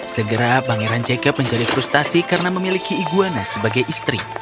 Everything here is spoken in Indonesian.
segera pangeran jacob menjadi frustasi karena memiliki iguana sebagai istri